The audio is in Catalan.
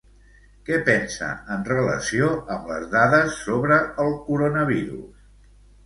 Què pensa en relació amb les dades sobre el coronavirus?